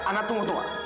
anak tunggu tua